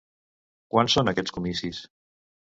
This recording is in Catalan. Quan són aquests comicis?